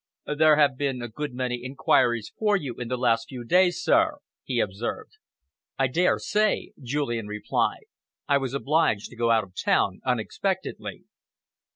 "There have been a good many enquiries for you the last few days, sir," he observed. "I dare say," Julian replied. "I was obliged to go out of town unexpectedly."